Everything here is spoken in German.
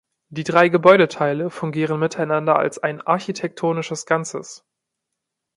Die drei Gebäudeteile fungieren miteinander als ein architektonisches Ganzes.